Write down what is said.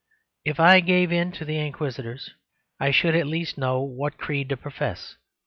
If I gave in to the Inquisitors, I should at least know what creed to profess.